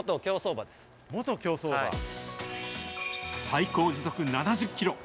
最高時速７０キロ。